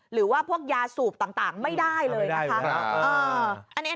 หรือว่าพวกยาสูบต่างไม่ได้เลยนะคะ